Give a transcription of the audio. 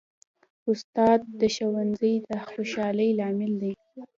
استاد د ښوونځي د خوشحالۍ لامل دی.